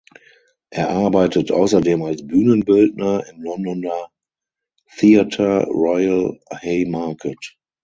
Er arbeitet außerdem als Bühnenbildner im Londoner Theatre Royal Haymarket.